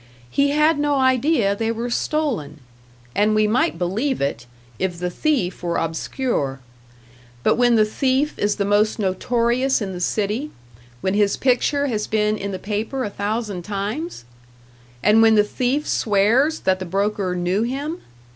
He had no idea they were stolen; and we might believe it, if the thief were obscure. But when the thief is the most notorious in the city when his picture has been in the paper a thousand times? And when the thief swears that the broker knew him?